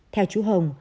theo chú hồng